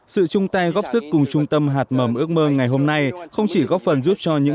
sự chung tay góp sức cùng trung tâm hạt mầm ước mơ ngày hôm nay không chỉ góp phần giúp cho những